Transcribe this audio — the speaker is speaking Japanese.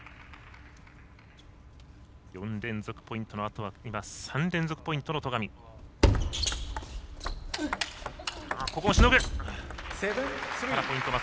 ４連続ポイントのあとは３連続ポイントの戸上。